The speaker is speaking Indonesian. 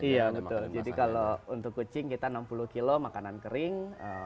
iya betul jadi kalau untuk kucing kita enam puluh kilo makanan kering